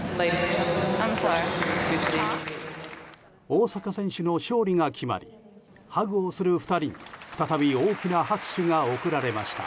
大坂選手の勝利が決まりハグをする２人に再び大きな拍手が送られました。